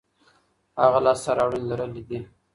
هغه لاسته راوړنې لرلي دي.